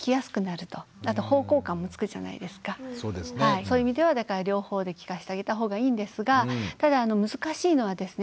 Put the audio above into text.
そういう意味では両方で聞かせてあげた方がいいんですがただ難しいのはですね